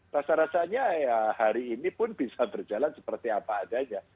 rasa rasanya ya hari ini pun bisa berjalan seperti apa adanya